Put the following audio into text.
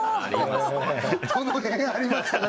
どの辺ありましたか？